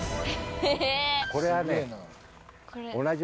これはね。